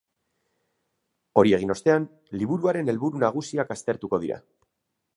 Hori egin ostean, liburuaren helburu nagusiak aztertuko dira.